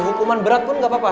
hukuman berat pun nggak apa apa